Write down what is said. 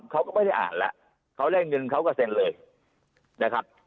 เขาก็ไม่ได้อ่านแล้วเขาได้เงินเขาก็เซ็นเลยนะครับ